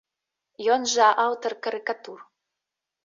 Ён жа аўтар карыкатур.